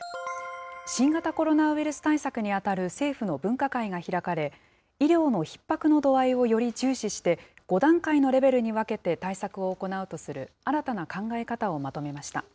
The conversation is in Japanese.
新型コロナウイルス対策にあたる政府の分科会が開かれ、医療のひっ迫の度合いをより重視して、５段階のレベルに分けて対策を行うとする新たな考え方をまとめました。